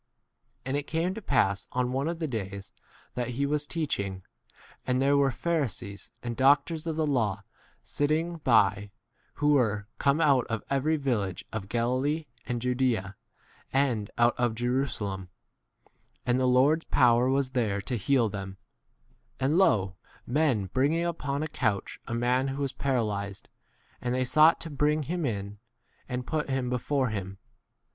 17 And it came to pass on one of the days, that 3 he was teaching, and there were Pharisees and doc tors of the law sitting by, who were come out of every village of Galilee and Judaea and [out of] Jerusalem ; and [the] Lord's* power was [there] to heal them ; 18 and lo, men bringing upon a couch a man who was paralyzed; and they sought to bring him in, and 19 put him before him.